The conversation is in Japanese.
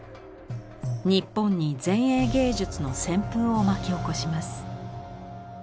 日本に前衛芸術の旋風を巻き起こします。